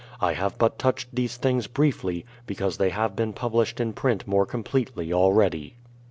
I have but touched these things briefly because they have been published in print more completely already.